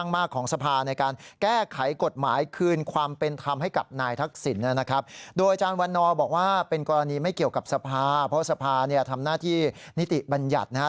ไม่เกี่ยวกับสภาเพราะว่าสภาทำหน้าที่นิติบัญญัตินะฮะ